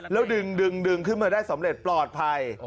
แล้วดึงขึ้นมาได้สำเร็จปลอดภัย